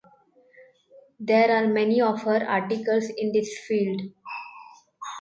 There are many of her articles in this field.